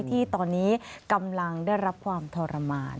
ที่ตอนนี้กำลังได้รับความทรมาน